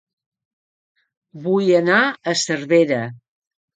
Vull anar a Cervera